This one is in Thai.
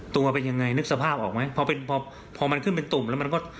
ตัวเป็นยังไงนึกสภาพออกไหมพอเป็นพอพอมันขึ้นเป็นตุ่มแล้วมันก็